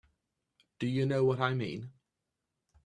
Do you know what I mean?